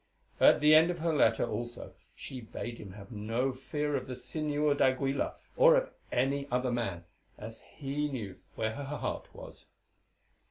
At the end of her letter, also, she bade him have no fear of the Señor d'Aguilar or of any other man, as he knew where her heart was.